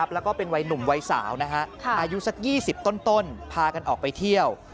แล้วก็เป็นวัยหนุ่มวัยสาวอายุสัก๒๐ต้นพากันออกไปเที่ยว